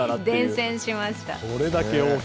伝線しました。